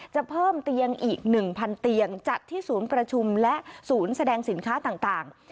จะเพิ่มเตียงอีก๑๐๐เตียงจัดที่ศูนย์ประชุมและศูนย์แสดงสินค้าต่าง